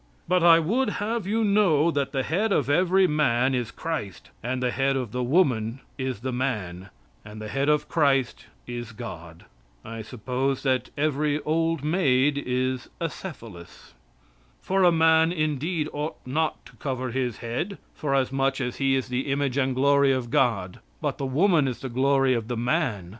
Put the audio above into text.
"But I would have you know that the head of every man is Christ, and the head of the woman is the man, and the head of Christ is God." I suppose that every old maid is acephalous. "For a man indeed ought not to cover his head, for as much as he is the image and glory of God; but the woman is the glory of the man.